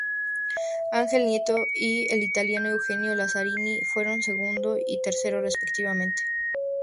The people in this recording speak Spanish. Ángel Nieto y el italiano Eugenio Lazzarini fueron segundo y tercero respectivamente.